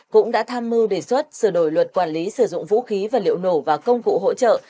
cũng đã tham mưu đề xuất sửa đổi luật quản lý sử dụng vũ khí và liệu nổ và công cụ hỗ trợ